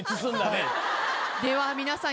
では皆さん。